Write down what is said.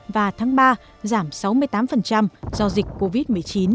và tháng ba giảm sáu mươi tám do dịch covid một mươi chín